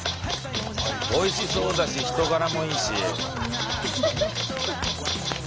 おいしそうだし人柄もいいし。